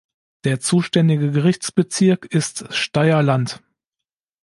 Der zuständige Gerichtsbezirk ist Steyr-Land.